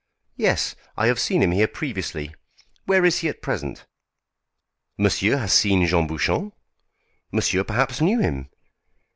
"Yes, I have seen him here previously. Where is he at present?" "Monsieur has seen Jean Bouchon? Monsieur perhaps knew him.